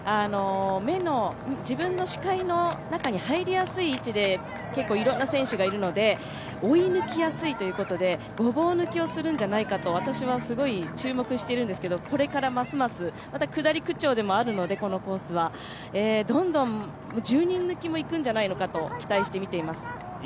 自分の視界の中に入りやすい位置で結構いろんな選手がいるので、追い抜きやすいということでごぼう抜きをするんじゃないかと私は注目しているんですけどこれからますます、また下りでもありますので、どんどん１０人抜きもいくんじゃないかと期待して見ています。